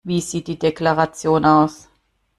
Wie sieht die Deklaration aus?